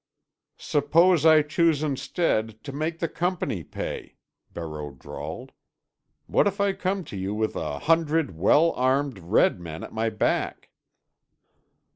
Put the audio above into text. "Suppose I choose instead to make the Company pay," Barreau drawled. "What if I come to you with a hundred well armed red men at my back?"